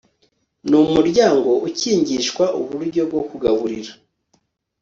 n'umuryango ukigishwa uburyo bwo kugaburira